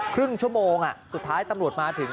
ครึ่งชั่วโมงสุดท้ายตำรวจมาถึง